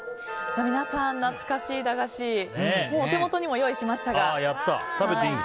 皆さん、懐かしい駄菓子お手元にも用意しましたが。